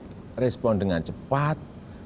karena kita harus merespon dengan cepat